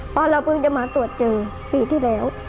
เพราะเราเพิ่งจะมาตรวจเจอปีที่แล้ว